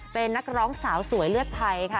เป็นนักร้องสาวสวยเลือดไทยค่ะ